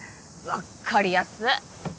分っかりやすっ。